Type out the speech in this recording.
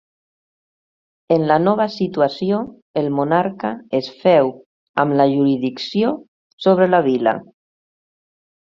En la nova situació, el monarca es féu amb la jurisdicció sobre la vila.